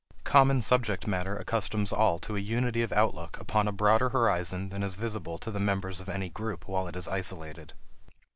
Common subject matter accustoms all to a unity of outlook upon a broader horizon than is visible to the members of any group while it is isolated.